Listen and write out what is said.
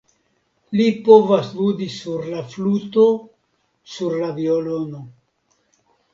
Li povas ludi sur la fluto, sur la violono.